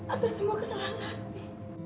atas semua kesalahan lastri